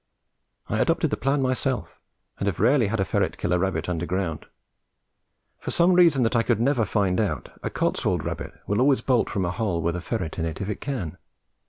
I adopted the plan myself, and have rarely had a ferret kill a rabbit underground. For some reason that I could never find out, a Cotswold rabbit will always bolt from a hole with a ferret in if it can.